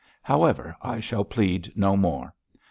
However, I shall plead no more.